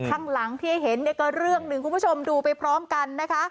ข้างหลังที่ให้เห็นเนี่ยก็เรื่องหนึ่งคุณผู้ชมดูไปพร้อมกันนะคะ